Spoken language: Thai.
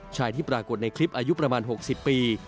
ที่ปรากฏในคลิปอายุประมาณ๖๐ปี